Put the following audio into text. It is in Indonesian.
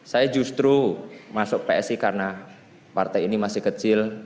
saya justru masuk psi karena partai ini masih kecil